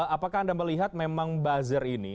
apakah anda melihat memang buzzer ini